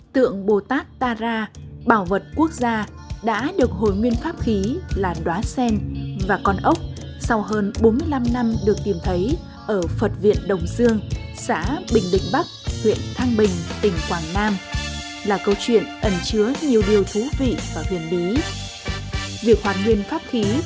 tượng bồ tát tara bảo vật quốc gia đã được hồi nguyên pháp khí là đoá sen và con ốc sau hơn bốn mươi năm năm được tìm thấy ở phật viện đồng dương xã bình định bắc huyện thăng bình tỉnh quảng nam là câu chuyện ẩn chứa nhiều điều thú vị và huyền bí